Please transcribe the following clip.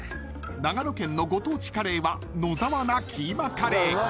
［長野県のご当地カレーは野沢菜キーマカレー］